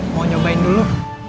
mau nyobain dulu